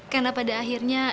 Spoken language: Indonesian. karena pada akhirnya